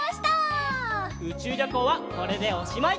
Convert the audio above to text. うちゅうりょこうはこれでおしまい！